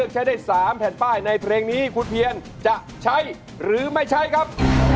ใช้ได้๓แผ่นป้ายในเพลงนี้คุณเพียนจะใช้หรือไม่ใช้ครับ